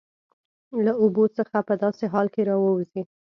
له اوبو څخه په داسې حال کې راوځي